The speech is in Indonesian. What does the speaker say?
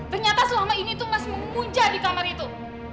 ternyata selama ini tuh mas memunca di kamar itu